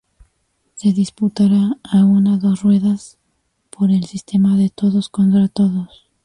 Se disputará a una dos ruedas, por el sistema de todos contra todos.